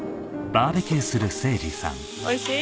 おいしい？